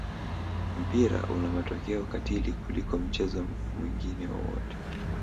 mpira una matokeo katili kuliko mchezo mwingine wowote